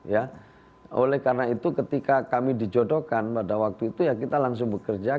ya oleh karena itu ketika kami dijodohkan pada waktu itu ya kita langsung bekerja